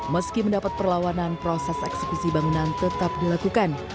meski mendapat perlawanan proses eksekusi bangunan tetap dilakukan